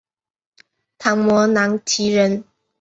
昙摩难提人。